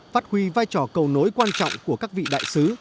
phát huy vai trò cầu nối quan trọng của các vị đại sứ